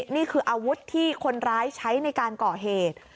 นี่คืออาวุธที่คนร้ายใช้ในการก่อเหตุ